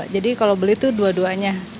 jadi kalau beli itu dua duanya